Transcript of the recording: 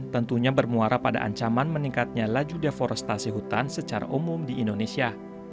tentunya bermuara pada ancaman meningkatnya laju deforestasi hutan secara umum di indonesia